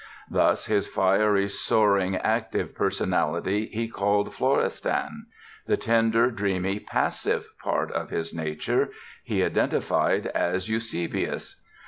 Thus his fiery, soaring, active personality he called "Florestan"; the tender, dreamy, passive part of his nature he identified as "Eusebius".